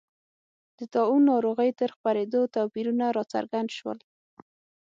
د طاعون ناروغۍ تر خپرېدو توپیرونه راڅرګند شول.